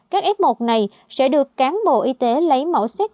các f một này sẽ được cán bộ y tế lấy mẫu xét